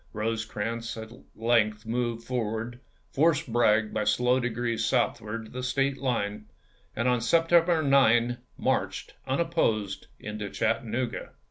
Rosecrans at length moved forward, forced Bragg by slow degrees southward to the State line, and on Sep 1863. tember 9 marched, unopposed, into Chattanooga.